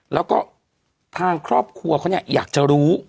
แล้วก็ทางครอบครัวเขาเนี่ยอยากจะรู้